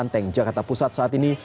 yang banteng jakarta pusat saat ini